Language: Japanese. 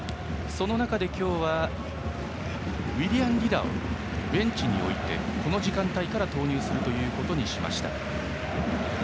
その中で今日はウィリアン・リラをベンチに置きこの時間帯から投入することにしました。